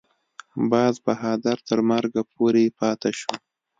باز بهادر تر مرګه پورې پاته شو.